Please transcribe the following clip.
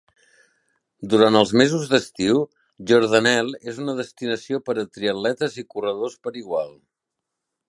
Durant els mesos d'estiu, Jordanelle és una destinació per a triatletes i corredors per igual.